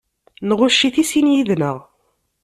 Nɣucc-it i sin yid-nneɣ.